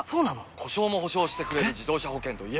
故障も補償してくれる自動車保険といえば？